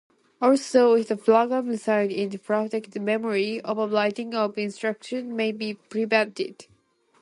Also, if the program resides in protected memory, overwriting of instructions may be prevented.